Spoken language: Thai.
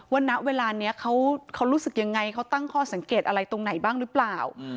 ณเวลานี้เขารู้สึกยังไงเขาตั้งข้อสังเกตอะไรตรงไหนบ้างหรือเปล่า